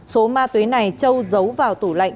số ma túy này châu giấu vào tủ lạnh